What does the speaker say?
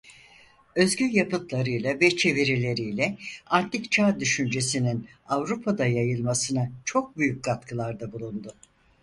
Özgün yapıtlarıyla ve çevirileriyle antik çağ düşüncesinin Avrupa'da yayılmasına çok büyük katkılarda bulundu.